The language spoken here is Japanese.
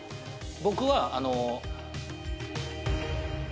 僕はあの。